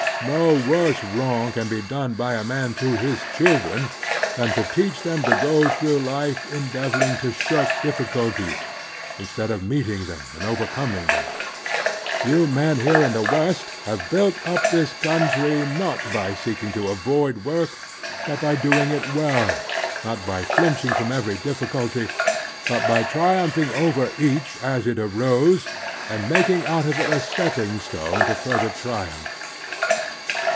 No worse wrong can be done by a man to his children than to teach them to go through life endeavoring to shirk diffictilties instead of meeting them and overcoming them. You men here in the West have built up this coimtry not by seeking to 296 The Strenuous Life avoid work, but by doing it well ; not by flinching from every difBctilty, but by triumphing over each as it arose and making out of it a stepping stone to ftuther triumph.